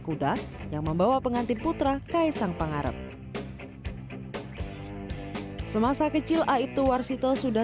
kuda yang membawa pengantin putra kaisang pangarep semasa kecil aibtu warsito sudah